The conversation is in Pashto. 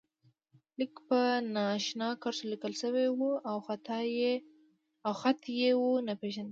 لیک په نا آشنا کرښو لیکل شوی و او خط یې و نه پېژانده.